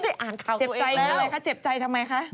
เจ็บใจอย่างไรคะเจ็บใจทำไมคะ